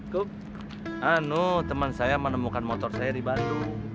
kuk teman saya menemukan motor saya di bandung